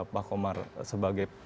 pak komar sebagai